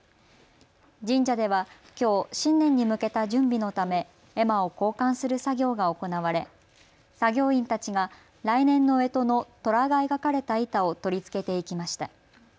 神社ではきょう新年に向けた準備のため絵馬を交換する作業が行われ作業員たちが来年のえとのとらが描かれた板を取り付けていきました。